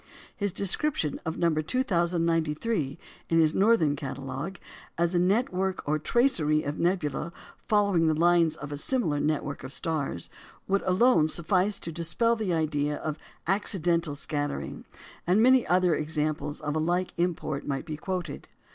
His description of No. 2,093 in his northern catalogue as "a network or tracery of nebula following the lines of a similar network of stars," would alone suffice to dispel the idea of accidental scattering; and many other examples of a like import might be quoted.